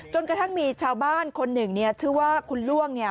กระทั่งมีชาวบ้านคนหนึ่งเนี่ยชื่อว่าคุณล่วงเนี่ย